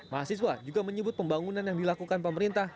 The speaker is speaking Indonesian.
mahasiswa juga menyebut pembangunan yang dilakukan pemerintah